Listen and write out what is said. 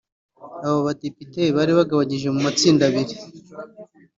Abo badepite bari bagabanyije mu matsinda abiri